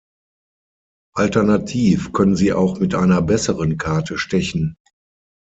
Alternativ können sie auch mit einer besseren Karte stechen.